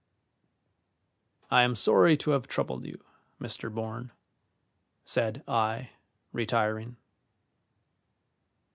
"I am sorry to have troubled you, Mr. Bourne," said I, retiring.